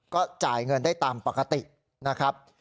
ก็จ่ายเงินได้ตามปกตินะครับ